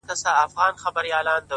ستا شاعري گرانه ستا اوښکو وړې!!